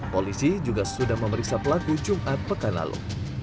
polisi juga sudah memeriksa pelaku jumat pekan lalu